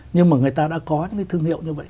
nhưng mà người ta đã có những cái thương hiệu như vậy